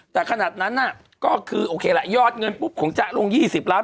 แต่ขนาดนั้นน่ะก็คือโอเคแหละยอดเงินปุ๊บของจ๊ะลง๒๐ล้าน